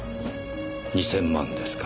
２０００万ですか。